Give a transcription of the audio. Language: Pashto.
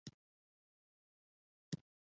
بزگر رسۍ په لاس غره ته لاړ.